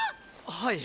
はい。